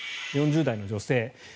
４０代の女性